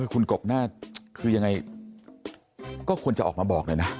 คุณกบหน้าคือยังไงก็ควรจะออกมาบอกเลยนะ